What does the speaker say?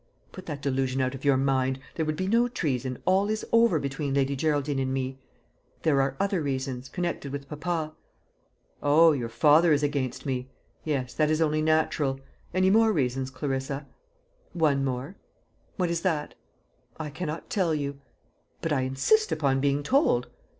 "Put that delusion out of your mind. There would be no treason; all is over between Lady Geraldine and me." "There are other reasons, connected with papa." "Oh, your father is against me. Yes, that is only natural. Any more reasons, Clarissa?" "One more." "What is that?" "I cannot tell you." "But I insist upon being told."